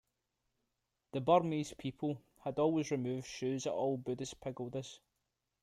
The Burmese people had always removed shoes at all Buddhist pagodas.